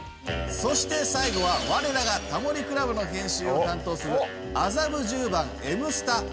そして最後は我らが『タモリ倶楽部』の編集を担当する麻布十番エムスタ。